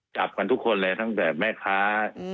จับกันทุกคนเลยตั้งแต่แม่ค้า